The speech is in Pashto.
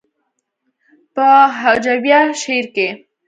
پۀ هجويه شعر کښې